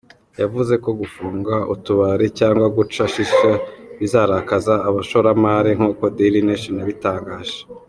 Yavuze ko gufunga utubari cyangwa guca shisha bizarakaza abashoramari nkuko Daily Nation yabitangaje.